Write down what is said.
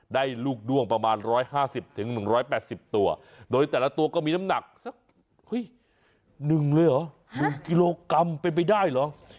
ได้ลูกด้วงประมาณ๑๕๐๑๘๐ตัวโดยแต่ละตัวก็มีน้ำหนักสัก๑เลยเหรอ๑กิโลกรัมเป็นไปได้เหรอ